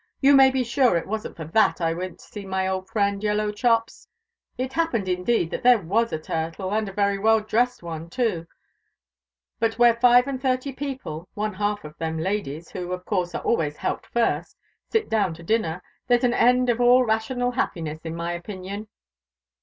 You may be sure it wasn't for that I went to see my old friend Yellowchops. It happened, indeed, that there was a turtle, and a very well dressed one too; but where five and thirty people (one half of them ladies, who, of course, are always helped first) sit down to dinner, there's an end of all rational happiness in my opinion."